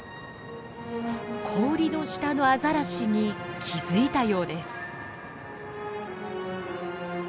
氷の下のアザラシに気付いたようです。